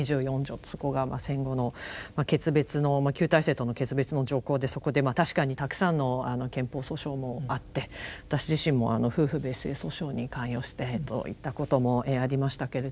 そこが戦後の決別の旧体制との決別の条項でそこでまあ確かにたくさんの憲法訴訟もあって私自身も夫婦別姓訴訟に関与していったこともありましたけれども。